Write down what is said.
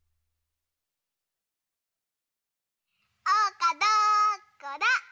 おうかどこだ？